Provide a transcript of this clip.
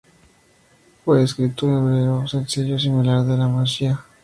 Fue escrito en hebreo sencillo, similar al de la Mishná.